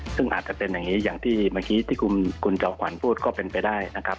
ซึ่งอาจจะเป็นอย่างนี้อย่างที่เมื่อกี้ที่คุณจอมขวัญพูดก็เป็นไปได้นะครับ